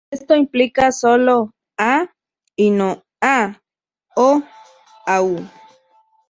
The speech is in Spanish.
Esto implica sólo "a" y no "á" o "au".